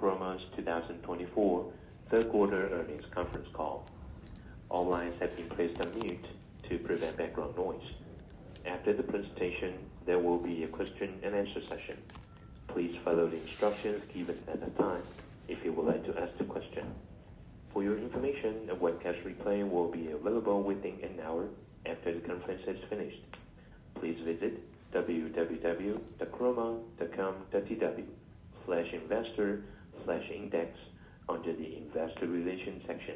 On to Chroma's 2024 third quarter earnings conference call. All lines have been placed on mute to prevent background noise. After the presentation, there will be a question-and-answer session. Please follow the instructions given at that time if you would like to ask a question. For your information, a webcast replay will be available within an hour after the conference has finished. Please visit www.chroma.com.tw/investor/index under the investor relations section.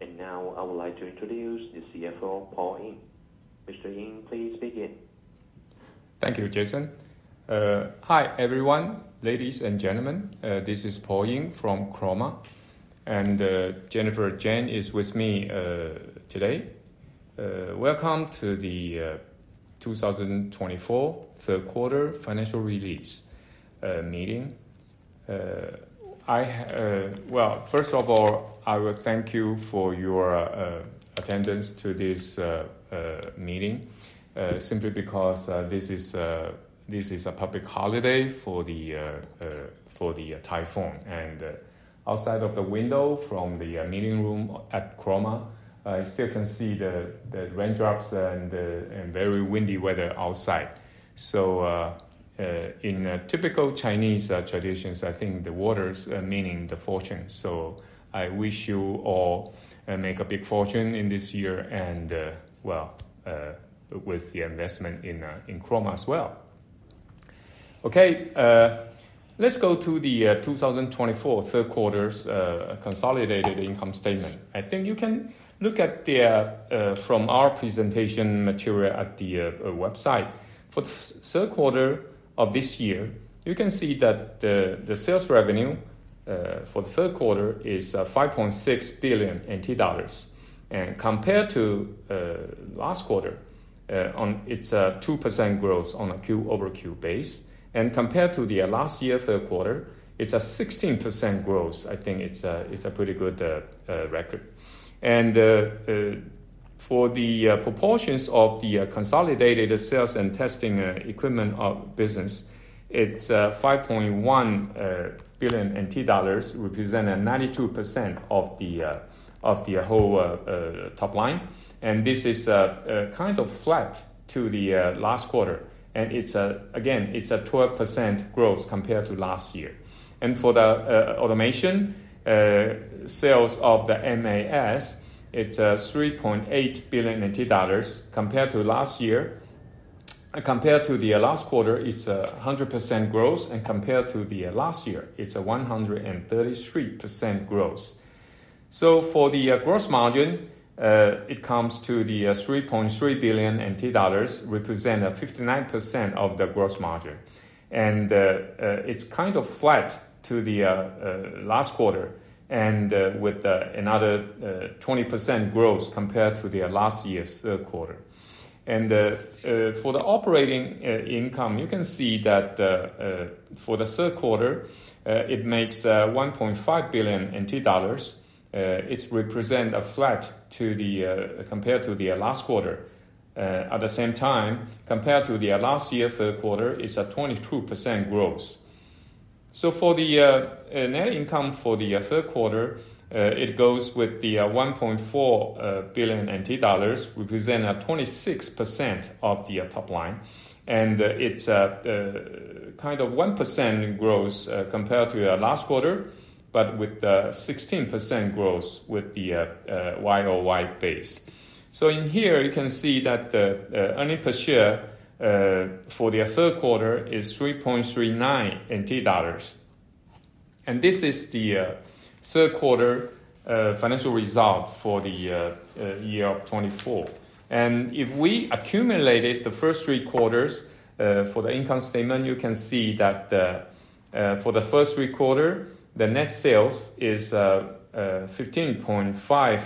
And now, I would like to introduce the CFO, Paul Ying. Mr. Ying, please begin. Thank you, Jason. Hi, everyone, ladies and gentlemen. This is Paul Yin from Chroma, and Jennifer Chien is with me today. Welcome to the 2024 third quarter financial release meeting. First of all, I will thank you for your attendance to this meeting simply because this is a public holiday for the typhoon. Outside of the window from the meeting room at Chroma, you still can see the raindrops and very windy weather outside. In typical Chinese traditions, I think the water, meaning the fortune. I wish you all make a big fortune in this year and, well, with the investment in Chroma as well. Okay, let's go to the 2024 third quarter's consolidated income statement. I think you can look at them from our presentation material at the website. For the third quarter of this year, you can see that the sales revenue for the third quarter is 5.6 billion NT dollars. And compared to last quarter, it's a 2% growth on a Q over Q base. And compared to the last year's third quarter, it's a 16% growth. I think it's a pretty good record. And for the proportions of the consolidated sales and testing equipment business, it's 5.1 billion NT dollars representing 92% of the whole top line. And this is kind of flat to the last quarter. And again, it's a 12% growth compared to last year. And for the automation sales of the MES, it's 3.8 billion NT dollars compared to last year. Compared to the last quarter, it's a 100% growth. And compared to the last year, it's a 133% growth. So for the gross margin, it comes to the 3.3 billion NT dollars representing 59% of the gross margin. It's kind of flat to the last quarter and with another 20% growth compared to the last year's third quarter. For the operating income, you can see that for the third quarter, it makes 1.5 billion. It's representing a flat compared to the last quarter. At the same time, compared to the last year's third quarter, it's a 22% growth. For the net income for the third quarter, it goes with the 1.4 billion NT dollars representing 26% of the top line. It's kind of 1% growth compared to last quarter, but with 16% growth with the YoY base. In here, you can see that the earnings per share for the third quarter is $3.39. This is the third quarter financial result for the year of 2024. If we accumulated the first three quarters for the income statement, you can see that for the first three quarter, the net sales is 15.5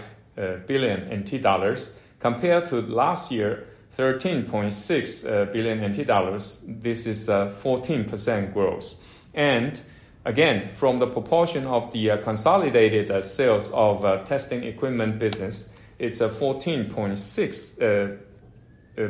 billion NT dollars compared to last year, 13.6 billion NT dollars. This is a 14% growth. And again, from the proportion of the consolidated sales of testing equipment business, it's 14.6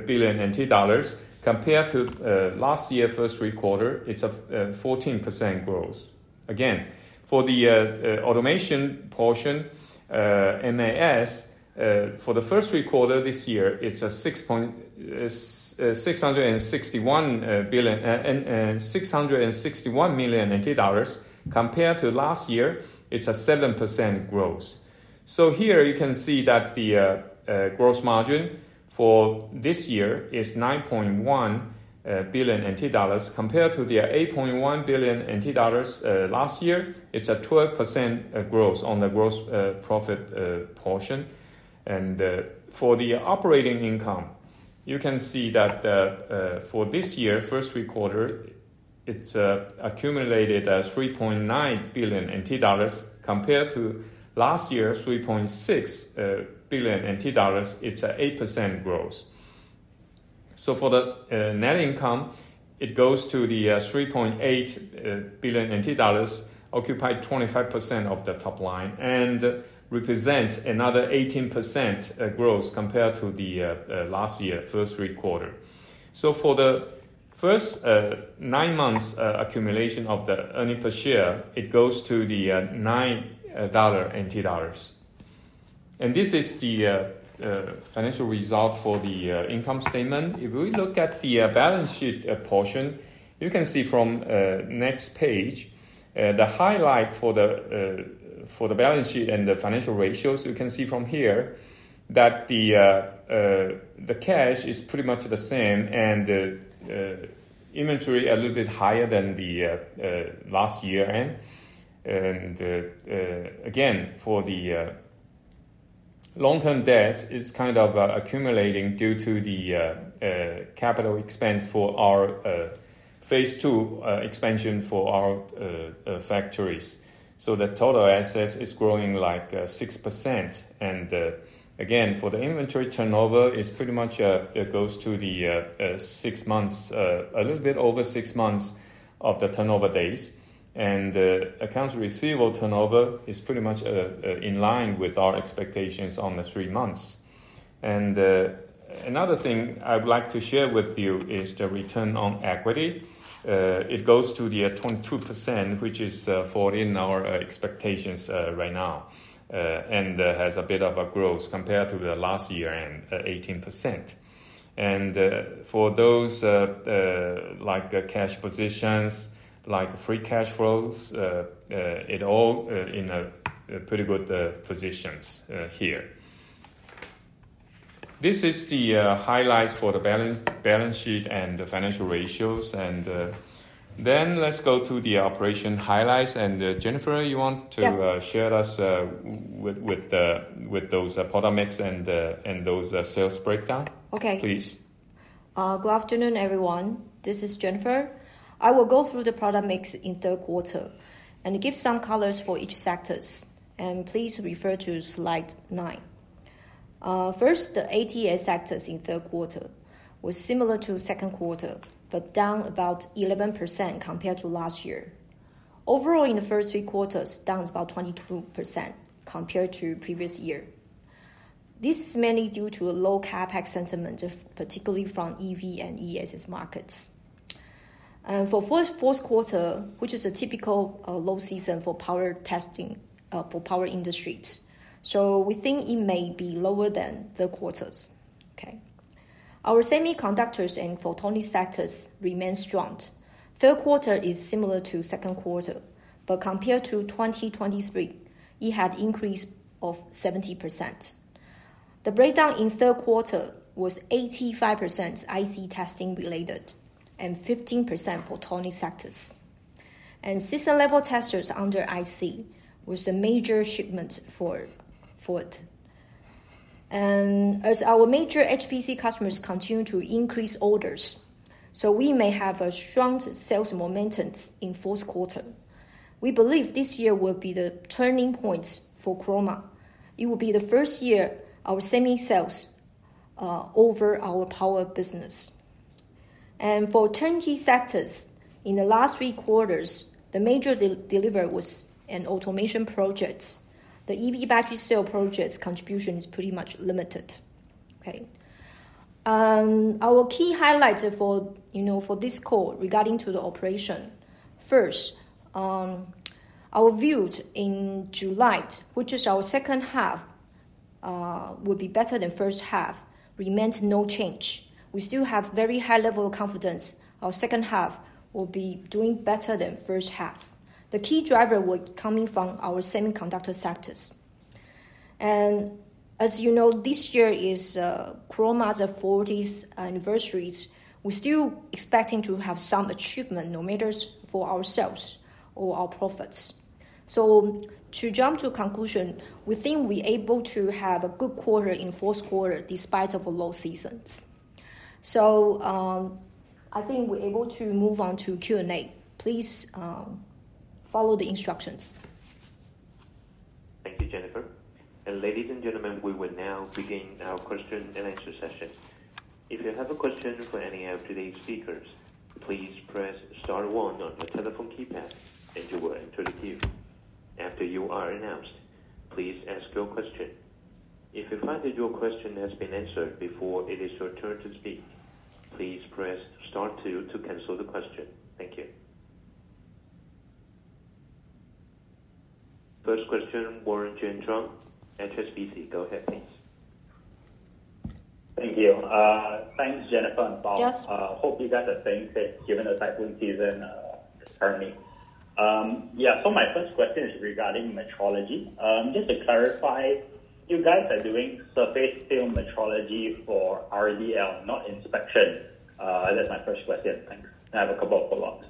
billion NT dollars compared to last year's first three quarter. It's a 14% growth. Again, for the automation portion, MES for the first three quarters this year, it's 661 million NT dollars. Compared to last year, it's a 7% growth. So here you can see that the gross margin for this year is 9.1 billion NT dollars compared to the 8.1 billion NT dollars last year. It's a 12% growth on the gross profit portion. And for the operating income, you can see that for this year's first three quarters, it's accumulated 3.9 billion NT dollars compared to last year's 3.6 billion NT dollars. It's an 8% growth. For the net income, it goes to 3.8 billion NT dollars, occupied 25% of the top line, and represents another 18% growth compared to last year's first three quarters. For the first nine months' accumulation of the earnings per share, it goes to 9 dollar. This is the financial result for the income statement. If we look at the balance sheet portion, you can see from the next page the highlight for the balance sheet and the financial ratios. You can see from here that the cash is pretty much the same and the inventory a little bit higher than last year. Again, for the long-term debt, it is kind of accumulating due to the CapEx for our phase two expansion for our factories. The total assets is growing like 6%. Again, for the inventory turnover, it's pretty much goes to the six months, a little bit over six months of the turnover days. Accounts receivable turnover is pretty much in line with our expectations on the three months. Another thing I would like to share with you is the return on equity. It goes to the 22%, which is falling in our expectations right now and has a bit of a growth compared to the last year and 18%. For those like cash positions, like free cash flows, it's all in pretty good positions here. This is the highlights for the balance sheet and the financial ratios. Then let's go to the operation highlights. Jennifer, you want to share us with those product mix and those sales breakdown, please? Okay. Good afternoon, everyone. This is Jennifer. I will go through the product mix in third quarter and give some colors for each sector and please refer to slide nine. First, the ATE sectors in third quarter were similar to second quarter, but down about 11% compared to last year. Overall, in the first three quarters, down about 22% compared to previous year. This is mainly due to low CapEx sentiment, particularly from EV and ESS markets. For fourth quarter, which is a typical low season for power testing for power industries, so we think it may be lower than third quarter. Okay. Our semiconductors and photonics sectors remain strong. Third quarter is similar to second quarter, but compared to 2023, it had an increase of 70%. The breakdown in third quarter was 85% IC testing related and 15% for photonics sectors. System-level testers under IC was a major shipment for it. As our major HPC customers continue to increase orders, so we may have a strong sales momentum in fourth quarter. We believe this year will be the turning point for Chroma. It will be the first year our semi sells over our power business. For turnkey sectors in the last three quarters, the major delivery was automation projects. The EV battery sale project's contribution is pretty much limited. Okay. Our key highlights for this call regarding the operation. First, our views in July, which is our second half, will be better than first half, remain no change. We still have very high level of confidence our second half will be doing better than first half. The key driver will be coming from our semiconductor sectors. As you know, this year is Chroma's 40th anniversary. We're still expecting to have some achievement, no matter for ourselves or our profits. So to jump to conclusion, we think we're able to have a good quarter in fourth quarter despite our low seasons. So I think we're able to move on to Q&A. Please follow the instructions. Thank you, Jennifer. And ladies and gentlemen, we will now begin our question and answer session. If you have a question for any of today's speakers, please press star one on your telephone keypad and you will enter the queue. After you are announced, please ask your question. If you find that your question has been answered before, it is your turn to speak. Please press star two to cancel the question. Thank you. First question, Warren Jin Zhang, OCBC. Go ahead, please. Thank you. Thanks, Jennifer and Paul. Yes. Hope you guys are staying safe, given the typhoon season is currently. Yeah, so my first question is regarding metrology. Just to clarify, you guys are doing surface film metrology for RDL, not inspection. That's my first question. Thanks. I have a couple of follow-ups.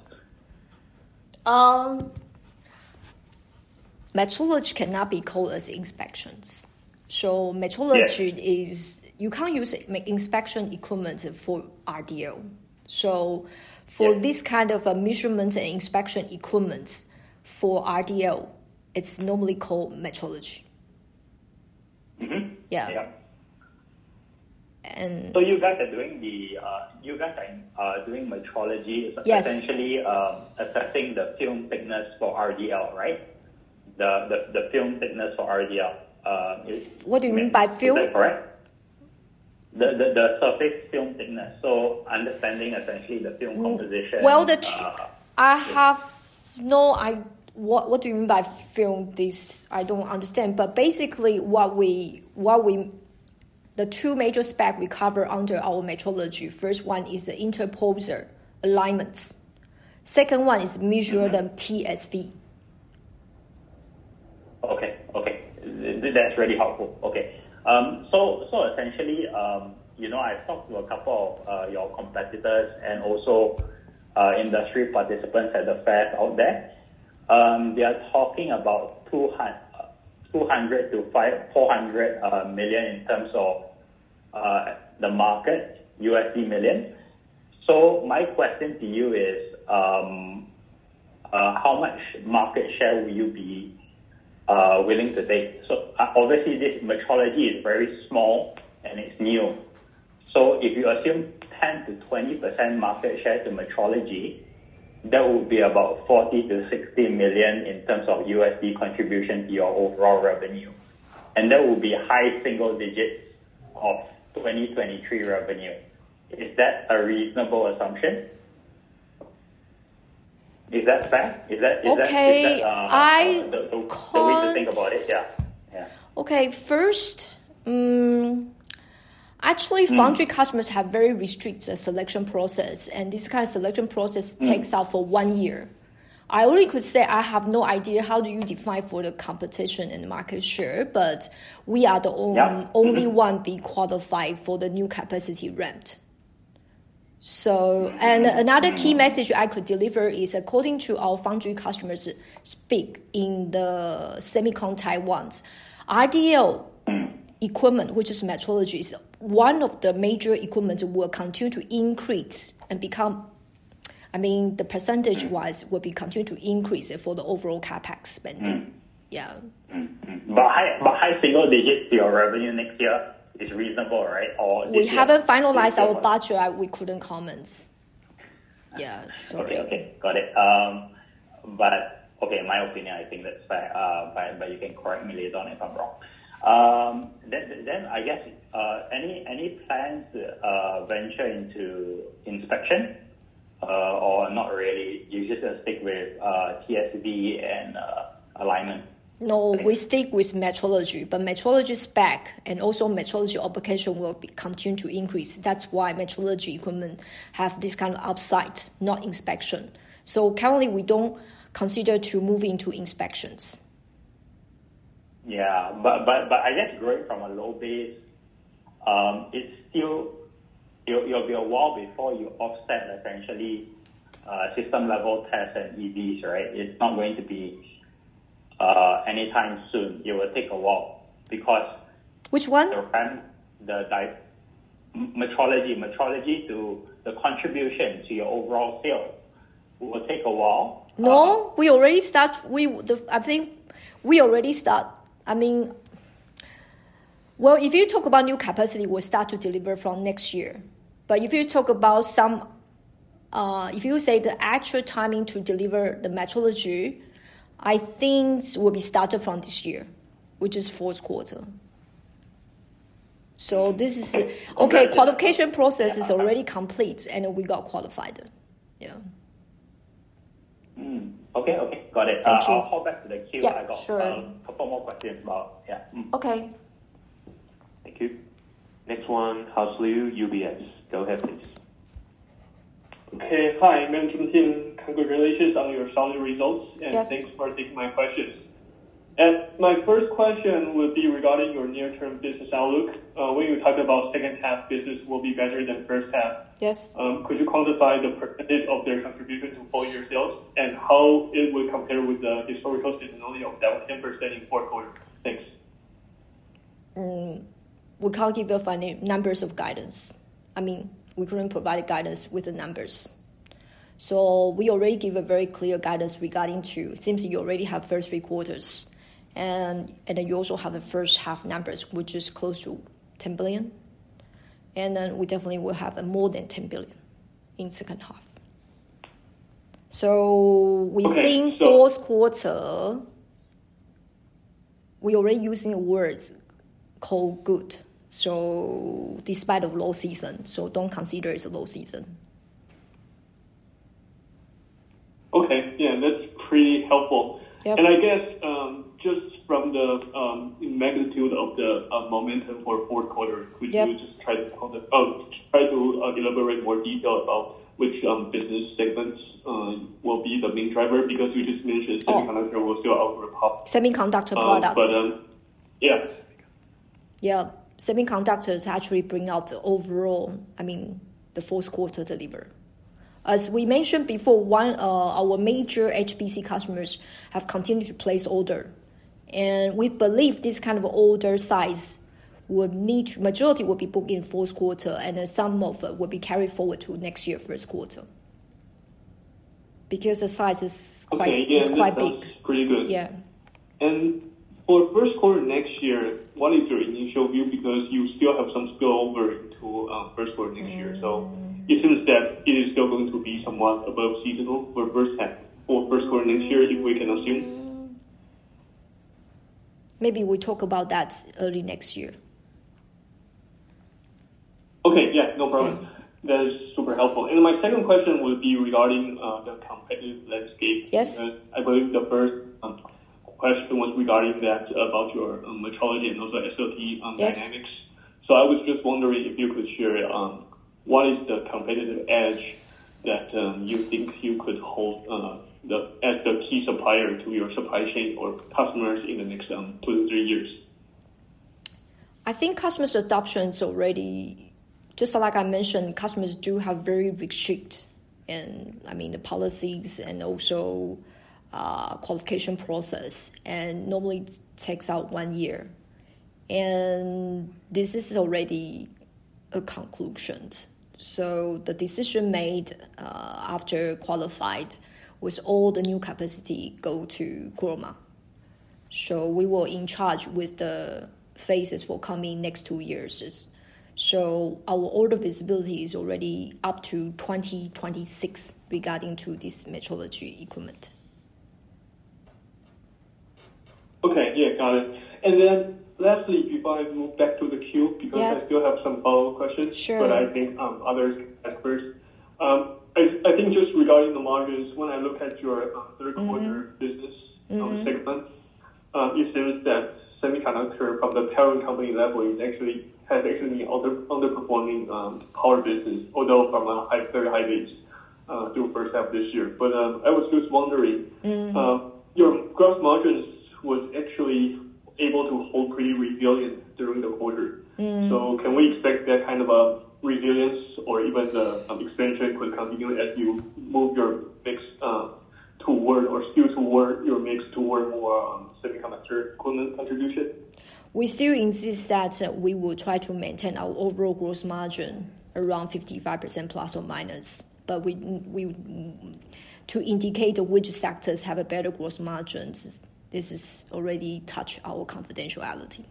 Metrology cannot be called as inspections. So metrology is you can't use inspection equipment for RDL. So for this kind of measurement and inspection equipment for RDL, it's normally called metrology. Yeah, so you guys are doing metrology. Yes. Essentially assessing the film thickness for RDL, right? The film thickness for RDL. What do you mean by film? Is that correct? The surface film thickness. So understanding essentially the film composition. I have no idea what you mean by film. I don't understand. But basically, what are the two major specs we cover under our metrology. First one is the interposer alignments. Second one is measuring the TSV. Okay. Okay. That's really helpful. Okay. So essentially, I talked to a couple of your competitors and also industry participants at the fair out there. They are talking about $200-$400 million in terms of the market, USD million. So my question to you is, how much market share will you be willing to take? So obviously, this metrology is very small and it's new. So if you assume 10%-20% market share to metrology, that will be about $40-$60 million in terms of USD contribution to your overall revenue. And that will be high single digits of 2023 revenue. Is that a reasonable assumption? Is that fair? Is that the way to think about it? Yeah. Yeah. Okay. First, actually, foundry customers have very restricted selection process, and this kind of selection process takes about one year. I only could say I have no idea how you define the competition and market share, but we are the only one being qualified for the new capacity ramp. Another key message I could deliver is according to our foundry customers speak in the semiconductor ones, RDL equipment, which is metrology, is one of the major equipment will continue to increase and become, I mean, the percentage-wise will be continued to increase for the overall CapEx spending. Yeah. But high single digits to your revenue next year is reasonable, right? Or is it? We haven't finalized our budget. We couldn't comment. Yeah. Sorry. Okay. Okay. Got it. But okay, in my opinion, I think that's fair. But you can correct me later on if I'm wrong. Then I guess any plans venture into inspection or not really? You just stick with TSV and alignment? No, we stick with metrology, but metrology spec and also metrology application will continue to increase. That's why metrology equipment have this kind of upside, not inspection, so currently, we don't consider to move into inspections. Yeah, but I guess growing from a low base, it's still it'll be a while before you offset essentially system-level tests and EVs, right? It's not going to be anytime soon. It will take a while because. Which one? The metrology's contribution to your overall sales will take a while. No, we already start. I think we already start. I mean, well, if you talk about new capacity, we'll start to deliver from next year. But if you talk about, if you say the actual timing to deliver the metrology, I think will be started from this year, which is fourth quarter. So this is okay. Qualification process is already complete and we got qualified. Yeah. Okay. Okay. Got it. Thank you. I'll call back to the queue, and I got a couple more questions about yeah. Okay. Thank you. Next one, House Liu, UBS. Go ahead, please. Okay. Hi, I'm Man Kim Hsin. Congratulations on your summary results, and thanks for taking my questions. My first question would be regarding your near-term business outlook. When you talk about second half, business will be better than first half. Could you quantify the percentage of their contribution to full-year sales and how it would compare with the historical seasonality of down 10% in fourth quarter? Thanks. We can't give the numbers of guidance. I mean, we couldn't provide guidance with the numbers. So we already give a very clear guidance regarding to it seems you already have first three quarters. And then you also have the first half numbers, which is close to 10 billion. And then we definitely will have more than 10 billion in second half. So we think fourth quarter, we already using words called good. So despite of low season, so don't consider it's a low season. Okay. Yeah. That's pretty helpful. And I guess just from the magnitude of the momentum for fourth quarter, could you just try to elaborate more detail about which business segments will be the main driver because you just mentioned semiconductor will still outperform. Semiconductor products. But yeah. Yeah. Semiconductors actually bring out the overall, I mean, the fourth quarter delivery. As we mentioned before, our major HPC customers have continued to place order. And we believe this kind of order size will meet majority will be booked in fourth quarter. And then some of it will be carried forward to next year first quarter because the size is quite big. Okay. Yeah. That's pretty good. Yeah. And for first quarter next year, what is your initial view because you still have some spillover into first quarter next year? So it seems that it is still going to be somewhat above seasonal for first quarter next year, if we can assume. Maybe we talk about that early next year. Okay. Yeah. No problem. That is super helpful. And my second question would be regarding the competitive landscape. I believe the first question was regarding that about your metrology and also SLT dynamics. So I was just wondering if you could share what is the competitive edge that you think you could hold as the key supplier to your supply chain or customers in the next two to three years? I think customers' adoption is already just like I mentioned, customers do have very restricted, and I mean, the policies and also qualification process, and normally takes about one year. And this is already a conclusion. So the decision made after qualified with all the new capacity go to Chroma. So we will in charge with the phases for coming next two years. So our order visibility is already up to 2026 regarding to this metrology equipment. Okay. Yeah. Got it. And then lastly, if you want to move back to the queue because I still have some follow-up questions. Sure. But I think others can ask first. I think just regarding the margins, when I look at your third quarter business segment, it seems that semiconductor from the parent company level has actually been underperforming power business, although from a very high base to first half this year. But I was just wondering, your gross margins was actually able to hold pretty resilient during the quarter. So can we expect that kind of resilience or even the expansion could continue as you move your mix toward or still toward your mix toward more semiconductor equipment contribution? We still insist that we will try to maintain our overall gross margin around 55% plus or minus. But to indicate which sectors have a better gross margins, this is already touched our confidentiality.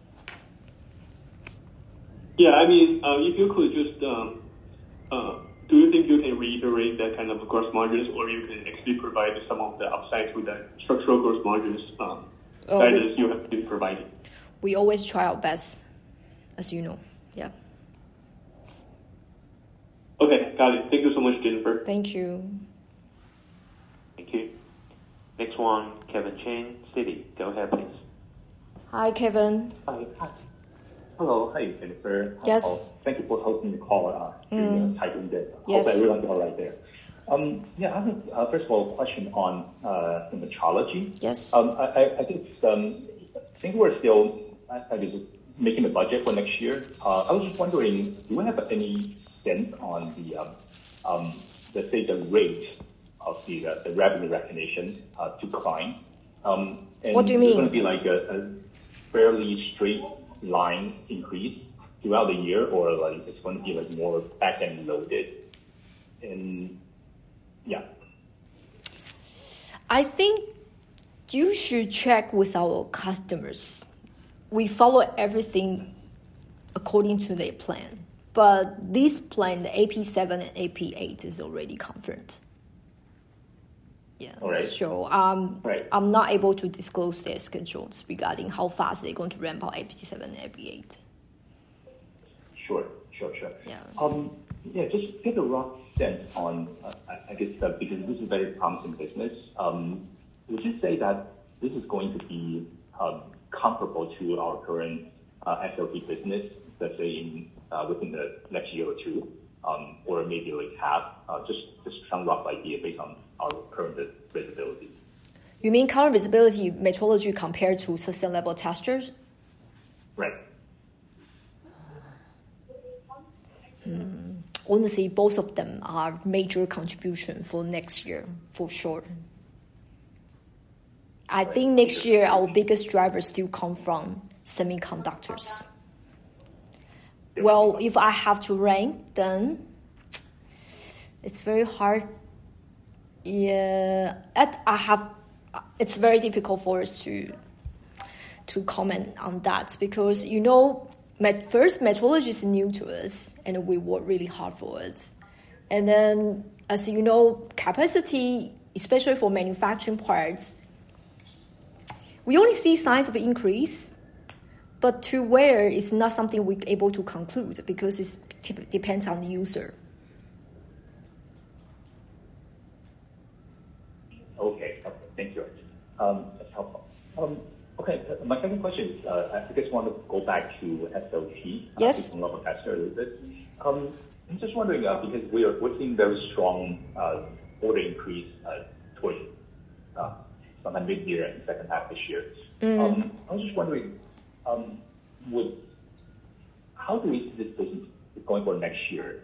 Yeah. I mean, if you could just, do you think you can reiterate that kind of gross margins, or you can actually provide some of the upside to the structural gross margins that you have been providing? We always try our best, as you know. Yeah. Okay. Got it. Thank you so much, Jennifer. Thank you. Thank you. Next one, Kevin Chen, Citi. Go ahead, please. Hi, Kevin. Hi. Hello. Hey, Jennifer. Yes. Thank you for hosting the call during the typhoon day. Yes. Hope everyone's all right there. Yeah. I have, first of all, a question on metrology. Yes. I think we're still kind of just making the budget for next year. I was just wondering, do we have any sense on the, let's say, the rate of the revenue recognition to climb? What do you mean? Is it going to be like a fairly straight line increase throughout the year, or it's going to be more back-end loaded? And yeah. I think you should check with our customers. We follow everything according to their plan. But this plan, the AP7 and AP8 is already confirmed. Yeah. All right. I'm not able to disclose their schedules regarding how fast they're going to ramp up AP7 and AP8. Sure. Yeah. Just to get a rough sense on, I guess, because this is a very promising business, would you say that this is going to be comparable to our current SOP business, let's say, within the next year or two or maybe like half? Just some rough idea based on our current visibility. You mean current visibility metrology compared to system-level testers? Right. Honestly, both of them are major contribution for next year, for sure. I think next year, our biggest driver still come from semiconductors. If I have to rank, then it's very hard. It's very difficult for us to comment on that because first, metrology is new to us and we work really hard for it. And then as you know, capacity, especially for manufacturing parts, we only see signs of increase. But to where, it's not something we're able to conclude because it depends on the user. Okay. Thank you. That's helpful. Okay. My second question is, I guess I want to go back to SLT, semiconductor tester a little bit. I'm just wondering because we're seeing very strong order increase toward sometime mid-year and second half this year. I was just wondering, how do we see this business going for next year?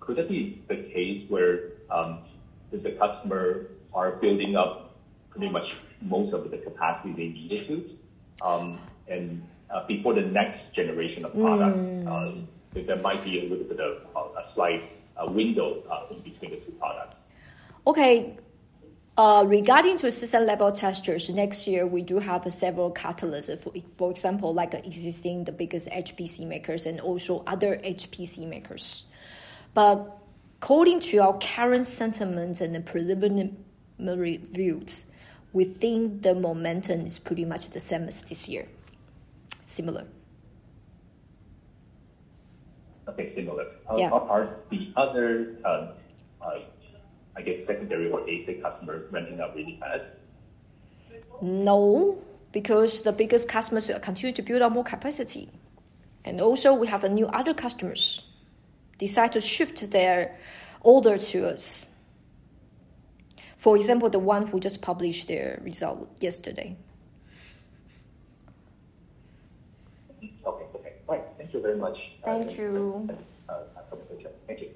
Could that be the case where the customers are building up pretty much most of the capacity they needed to? And before the next generation of product, there might be a little bit of a slight window in between the two products. Okay. Regarding to system-level testers, next year, we do have several catalysts, for example, like existing the biggest HPC makers and also other HPC makers. But according to our current sentiment and the preliminary views, we think the momentum is pretty much the same as this year. Similar. Okay. Similar. Are the other, I guess, secondary or ATE customers ramping up really fast? No, because the biggest customers continue to build up more capacity. And also, we have a new other customers decide to shift their order to us. For example, the one who just published their result yesterday. Okay. Okay. All right. Thank you very much. Thank you. Thanks for your patience. Thank you. Thank you.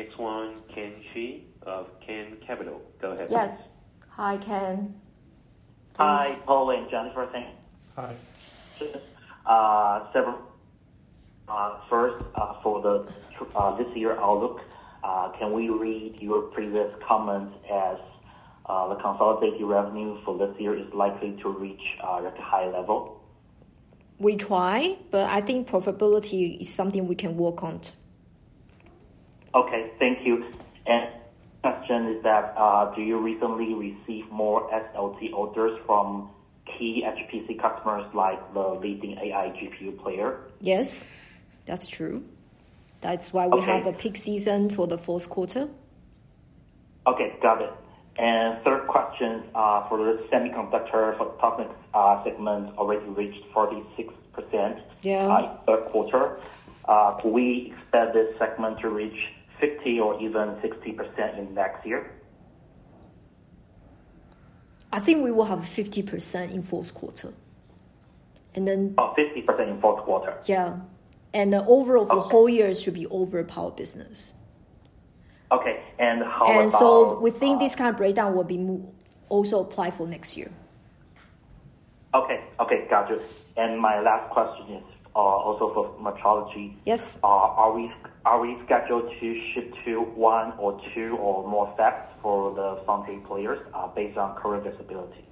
Next one, Ken Chien of Ken Capital. Go ahead, please. Yes. Hi, Ken. Hi, Paul and Jennifer Chien. Hi. First, for this year's outlook, can we read your previous comments as the consolidated revenue for this year is likely to reach a high level? We try, but I think profitability is something we can work on. Okay. Thank you. And question is that, do you recently receive more SLT orders from key HPC customers like the leading AI GPU player? Yes. That's true. That's why we have a peak season for the fourth quarter. Okay. Got it, and third question, for the semiconductor photonics segment already reached 46% in third quarter. Could we expect this segment to reach 50% or even 60% in next year? I think we will have 50% in fourth quarter and then. Oh, 50% in fourth quarter. Yeah, and overall, the whole year should be overpowered business. Okay. And how about? And so we think this kind of breakdown will also apply for next year. Okay. Okay. Gotcha. And my last question is also for metrology. Yes. Are we scheduled to shift to one or two or more steps for the foundry players based on current visibility?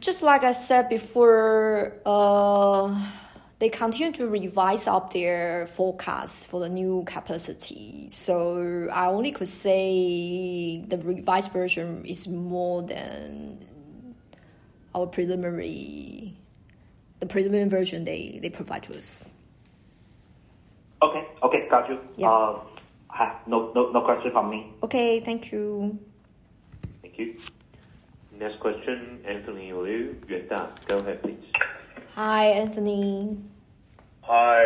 Just like I said before, they continue to revise out their forecast for the new capacity. So I only could say the revised version is more than our preliminary version they provide to us. Okay. Okay. Gotcha. No question from me. Okay. Thank you. Thank you. Next question, Anthony Liu, Yuanta. Go ahead, please. Hi, Anthony. Hi.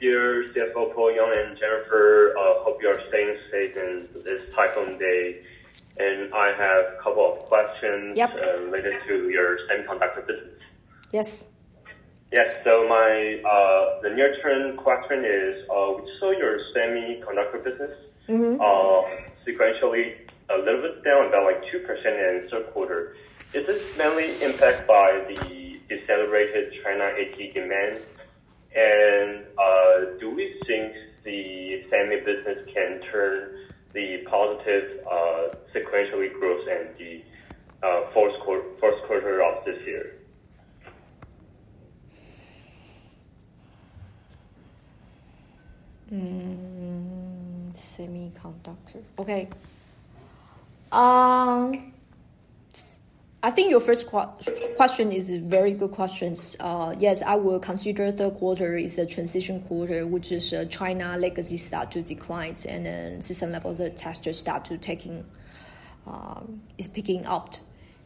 Dear CFO Paul Ying and Jennifer, hope you are staying safe in this typhoon day. And I have a couple of questions related to your semiconductor business. Yes. Yes. So the near-term question is, we saw your semiconductor business sequentially a little bit down, about 2% in third quarter. Is this mainly impacted by the accelerated China ATE demand? And do we think the semi business can turn to positive sequential growth in the fourth quarter of this year? Semiconductor. Okay. I think your first question is a very good question. Yes, I will consider third quarter is a transition quarter, which is China legacy start to decline. And then system-level testers start to taking is picking up.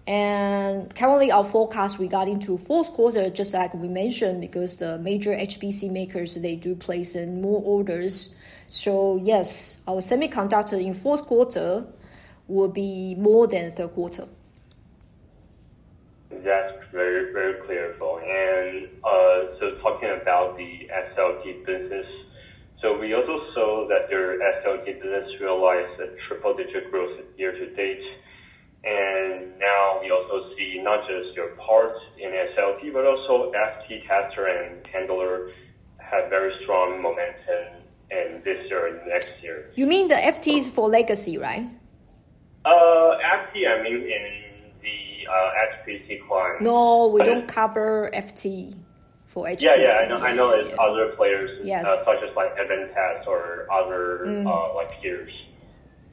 And currently, our forecast regarding to fourth quarter, just like we mentioned, because the major HPC makers, they do place in more orders. So yes, our semiconductor in fourth quarter will be more than third quarter. That's very clear, Paul. And so talking about the SLT business, so we also saw that your SLT business realized a triple-digit growth year to date. And now we also see not just your parts in SLT, but also FT tester and handler have very strong momentum in this year and next year. You mean the FTs for legacy, right? FT, I mean in the HPC clients. No, we don't cover FT for HPC. Yeah. Yeah. I know other players such as Advantest or other peers.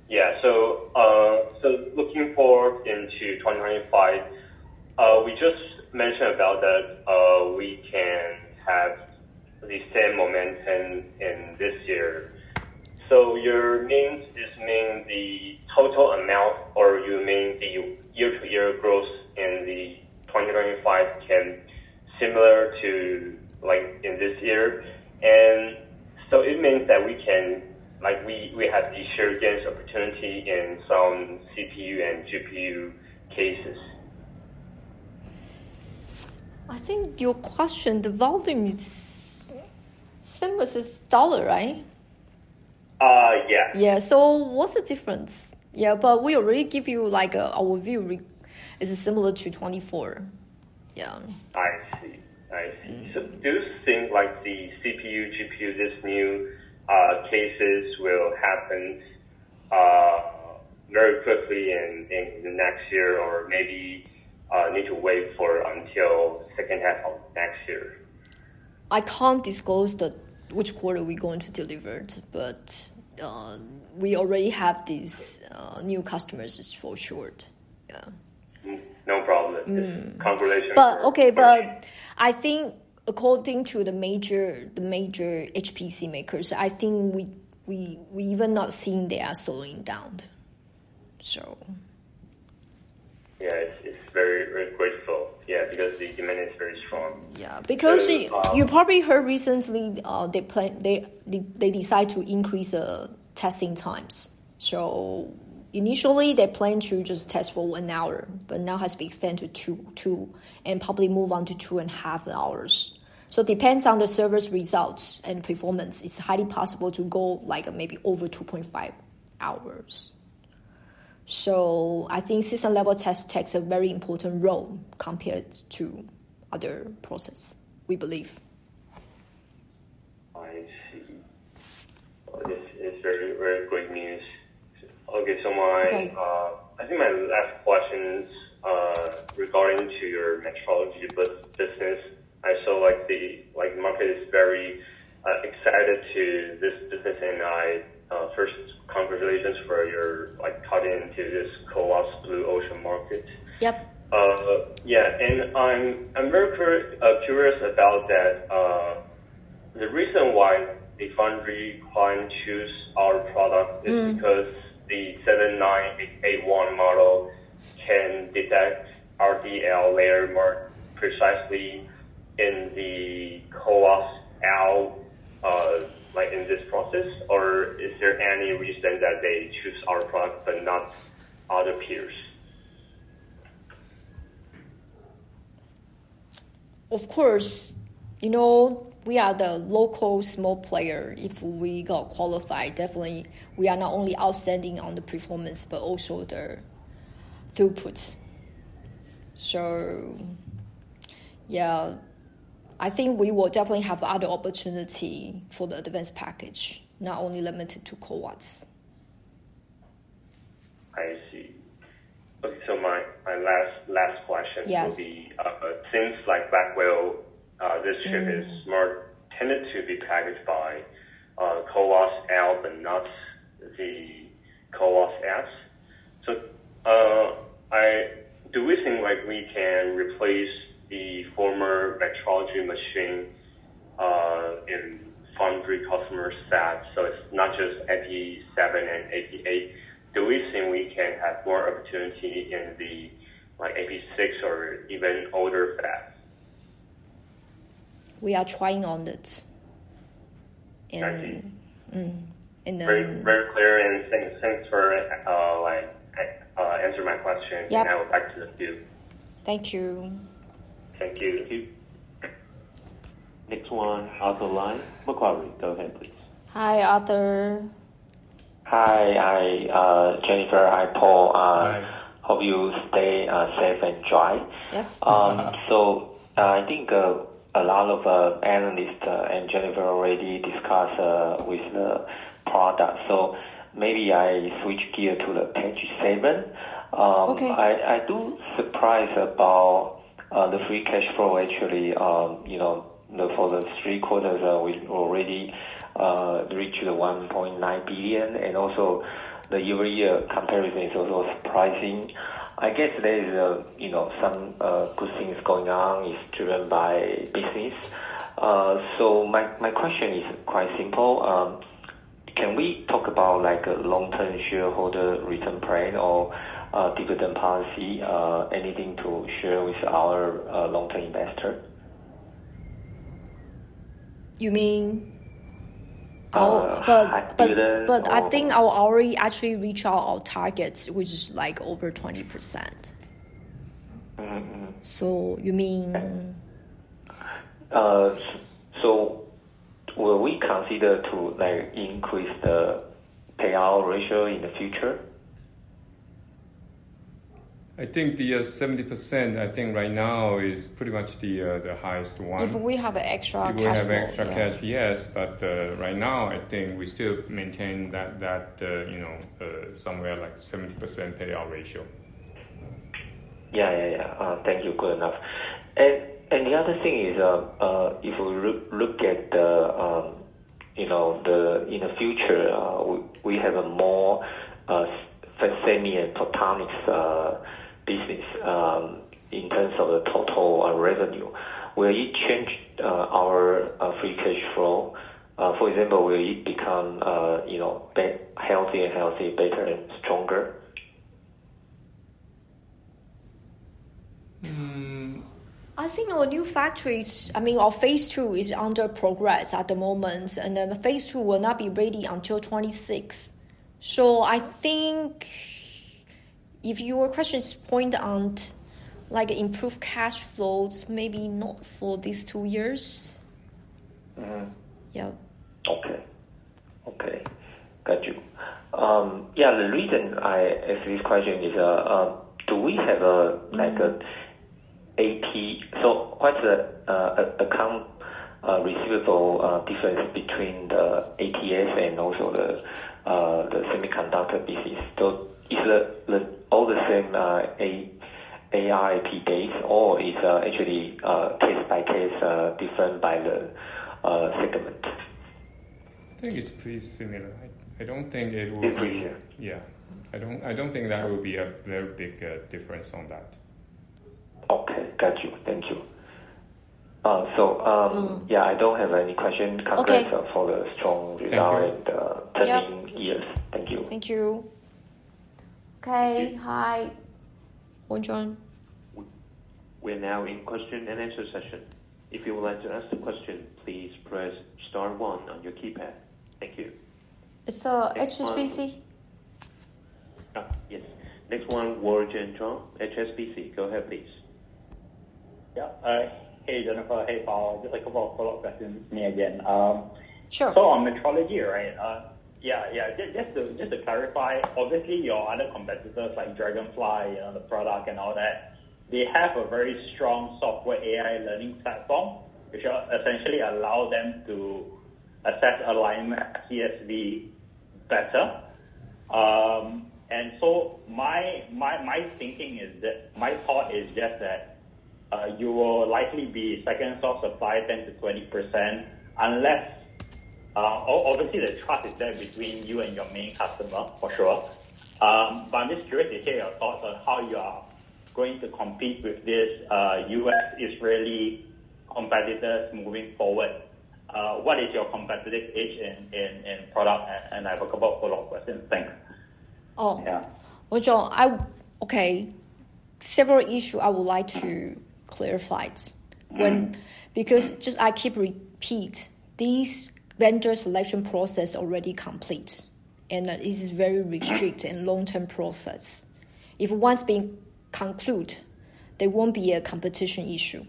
Yeah. So, looking forward into 2025, we just mentioned about that we can have the same momentum in this year. So, your means is mean the total amount or you mean the year-to-year growth in the 2025 can similar to in this year. And so it means that we have the share against opportunity in some CPU and GPU cases. I think your question, the volume is similar to dollar, right? Yeah. Yeah, so what's the difference? Yeah. But we already give you our view is similar to 2024. Yeah. I see. I see. So do you think the CPU, GPU, this new cases will happen very quickly in the next year or maybe need to wait for until second half of next year? I can't disclose which quarter we're going to deliver, but we already have these new customers for sure. Yeah. No problem. Congratulations. But okay. But I think, according to the major HPC makers, I think we're even not seeing they are slowing down, so. Yeah. It's very graceful. Yeah. Because the demand is very strong. Yeah. Because you probably heard recently they decide to increase testing times. So initially, they plan to just test for one hour, but now has been extended to two and probably move on to two and a half hours. So depends on the service results and performance. It's highly possible to go maybe over 2.5 hours. So I think system-level test takes a very important role compared to other process, we believe. I see. This is very great news. Okay. So I think my last question is regarding to your metrology business. I saw the market is very excited to this business. And first, congratulations for your cutting into this CoWoS blue ocean market. Yep. Yeah. And I'm very curious about that. The reason why the foundry client choose our product is because the 7981 model can detect RDL layer mark precisely in the CoWoS-L in this process? Or is there any reason that they choose our product but not other peers? Of course. We are the local small player. If we got qualified, definitely we are not only outstanding on the performance, but also the throughput. So yeah, I think we will definitely have other opportunity for the advanced package, not only limited to CoWoS. I see. Okay. So my last question will be, since Blackwell, this chip is more intended to be packaged by CoWoS-L than not the CoWoS-S. So do we think we can replace the former metrology machine in foundry customer fab? So it's not just AP7 and AP8. Do we think we can have more opportunity in the AP6 or even older fab? We are trying on it. I see. Very clear and thank you for answering my question. Now back to the few. Thank you. Thank you. Thank you. Next one, Arthur Lai, Macquarie. Go ahead, please. Hi, Arthur. Hi, Jennifer. Hi, Paul. Hope you stay safe and dry. Yes. So I think a lot of analysts and Jennifer already discussed the product. So maybe I switch gears to the AP7. I'm surprised about the free cash flow actually for the three quarters. We already reached 1.9 billion. And also the year-to-year comparison is also surprising. I guess there is some good things going on. It's driven by business. So my question is quite simple. Can we talk about long-term shareholder return plan or dividend policy? Anything to share with our long-term investor? You mean our? Dividend. but I think I will actually reach out our targets, which is over 20%. So you mean. Will we consider to increase the payout ratio in the future? I think the 70%, I think right now is pretty much the highest one. If we have extra cash flow. If we have extra cash, yes. But right now, I think we still maintain that somewhere like 70% payout ratio. Yeah. Thank you. Good enough and the other thing is, if we look at the future, we have a more fascinating photonics business in terms of the total revenue. Will it change our free cash flow? For example, will it become healthy, better and stronger? I think our new factories, I mean, our phase two is under progress at the moment, and then the phase two will not be ready until 2026. So I think if your questions point on improved cash flows, maybe not for these two years. Yeah. Okay. Okay. Got you. Yeah. The reason I ask this question is, do we have an ATE? So what's the accounts receivable difference between the ATEs and also the semiconductor business? So is it all the same AR days or is it actually case by case different by the segment? I think it's pretty similar. I don't think it will be. It's pretty similar. Yeah. I don't think there will be a very big difference on that. Okay. Got you. Thank you. So yeah, I don't have any questions. Congrats for the strong result in 30 years. Thank you. Thank you. Thank you. Okay. Hi. Hi, John. We're now in question and answer session. If you would like to ask a question, please press star one on your keypad. Thank you. So HSBC? Yes. Next one, Warren Jin Zhang, HSBC. Go ahead, please. Yeah. Hey, Jennifer. Hey, Paul. Just a couple of follow-up questions for me again. Sure. So on metrology, right? Yeah. Yeah. Just to clarify, obviously, your other competitors like Dragonfly, the product, and all that, they have a very strong software AI learning platform, which will essentially allow them to assess alignment TSV better. And so my thinking is that my thought is just that you will likely be second source supply, 10%-20%, unless obviously, the trust is there between you and your main customer, for sure. But I'm just curious to hear your thoughts on how you are going to compete with these U.S., Israeli competitors moving forward. What is your competitive edge in product? And I have a couple of follow-up questions. Thanks. Oh, John, okay. Several issues I would like to clarify because just I keep repeat this vendor selection process is already complete, and it is very restricted and long-term process. If once being concluded, there won't be a competition issue,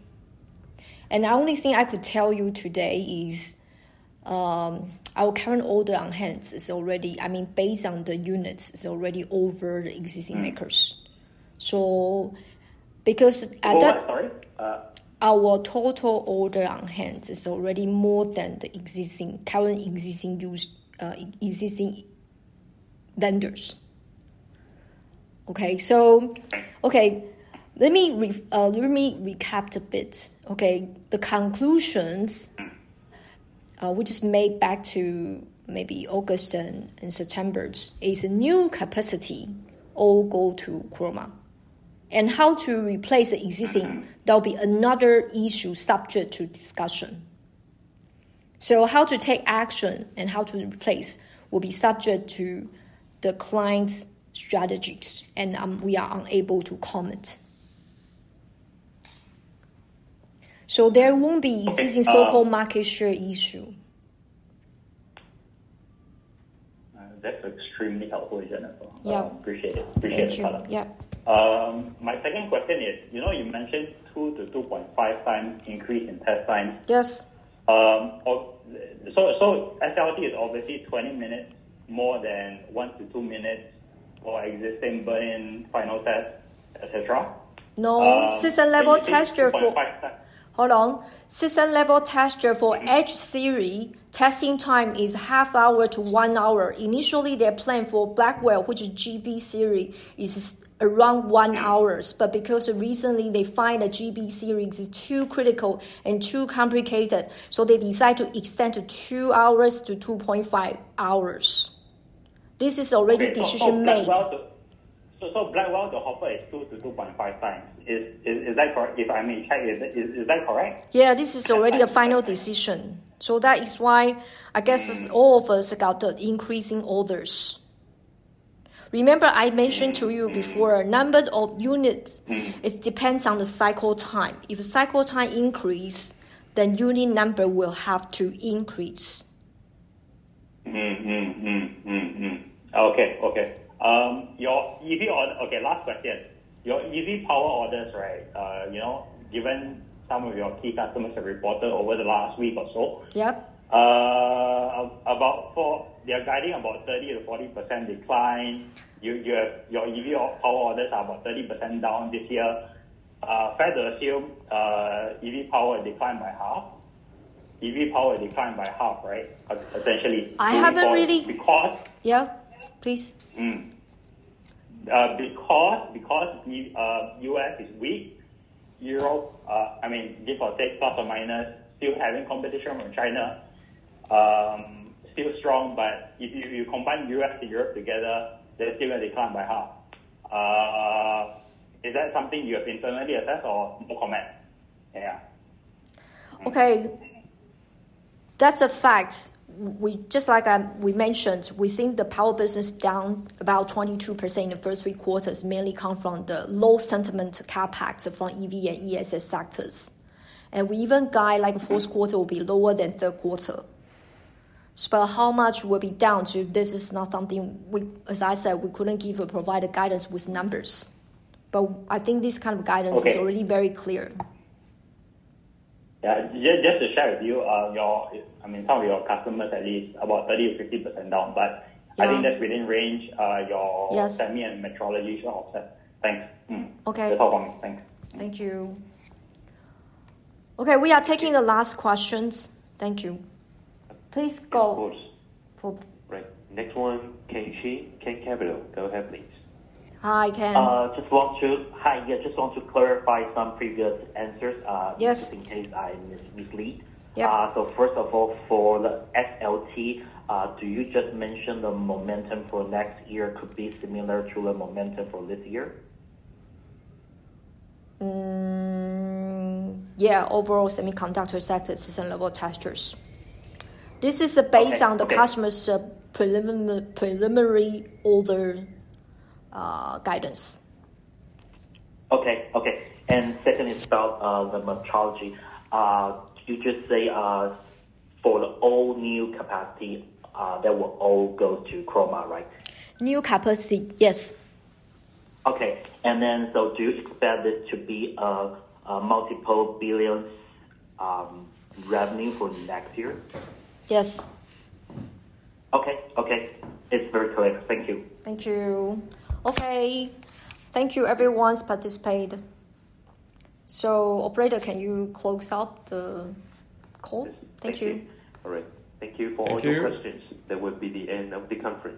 and the only thing I could tell you today is our current order on hands is already, I mean, based on the units, is already over the existing makers. So because at that. Sorry? Our total orders on hand is already more than the current existing vendors. So, let me recap a bit. The conclusions we just made back to maybe August and September is a new capacity all go to Chroma. And how to replace the existing, there'll be another issue subject to discussion. So how to take action and how to replace will be subject to the client's strategies. And we are unable to comment. So there won't be existing so-called market share issue. That's extremely helpful, Jennifer. Yeah. Appreciate it. Appreciate it, Charlotte. Thank you. Yeah. My second question is, you mentioned 2-2.5 times increase in test times. Yes. So SLT is obviously 20 minutes more than one to two minutes for existing burn-in final test, etc. No. System-level test for. Hold on. System-level test for H series testing time is half hour to one hour. Initially, they planned for Blackwell, which is GB series, is around one hours. But because recently they find that GB series is too critical and too complicated, so they decide to extend to two hours to 2.5 hours. This is already decision made. So, Blackwell, the offer is 2-2.5 times. Is that correct? If I may check, is that correct? Yeah. This is already a final decision. So that is why I guess all of us got the increasing orders. Remember I mentioned to you before, number of units, it depends on the cycle time. If cycle time increase, then unit number will have to increase. Okay. Last question. Your EV power orders, right? Given some of your key customers have reported over the last week or so, they're guiding about 30%-40% decline. Your EV power orders are about 30% down this year. Fair to assume EV power decline by half. EV power decline by half, right? Essentially. I haven't really. Because. Yeah. Please. Because U.S. is weak. I mean, give or take, plus or minus, still having competition from China, still strong. But if you combine U.S. and Europe together, they're still going to decline by half. Is that something you have internally assessed or more comment? Yeah. Okay. That's a fact. Just like we mentioned, we think the power business down about 22% in the first three quarters mainly come from the low sentiment CapEx from EV and ESS sectors. We even guide like the fourth quarter will be lower than third quarter. So how much will be down to this is not something, as I said, we couldn't give or provide a guidance with numbers. I think this kind of guidance is already very clear. Yeah. Just to share with you, I mean, some of your customers at least about 30%-50% down. But I think that's within range, your semi and metrology shop. Thanks. Okay. Just talk on me. Thanks. Thank you. Okay. We are taking the last questions. Thank you. Please go. Of course. Right. Next one, Ken Capital. Go ahead, please. Hi, Ken. Yeah. Just want to clarify some previous answers just in case I mislead. So first of all, for the SLT, do you just mention the momentum for next year could be similar to the momentum for this year? Yeah. Overall semiconductor sector system-level testers. This is based on the customer's preliminary order guidance. Okay. Okay. And second is about the metrology. You just say for the all new capacity, that will all go to Chroma, right? New capacity, yes. Okay, and then so do you expect this to be multiple billions revenue for next year? Yes. Okay. Okay. It's very clear. Thank you. Thank you. Okay. Thank you, everyone's participated. So operator, can you close out the call? Thank you. All right. Thank you for all your questions. That would be the end of the conference.